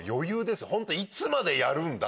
いつまでやるんだ？